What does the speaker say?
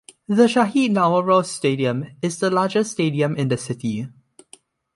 The Shaheed Nauoroz Stadium is the largest stadium in the city.